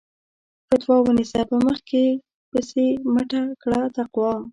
فَتوا ونيسه په مخ کې پسې مٔټه کړه تقوا